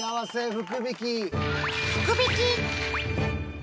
福引き！